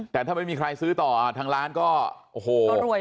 แต่ถ้าไม่มีใครซื้อต่อทางร้านก็โอ้โห